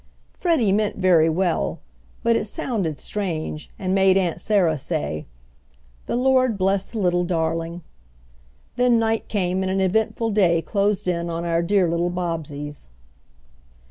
Freddie meant very well, but it sounded strange, and made Aunt Sarah say, "The Lord bless the little darling!" Then night came and an eventful day closed in on our dear little Bobbseys.